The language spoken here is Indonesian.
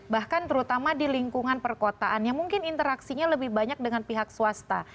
bahkan terutama di lingkungan perkotaan yang mungkin interaksinya lebih banyak dengan pihak swasta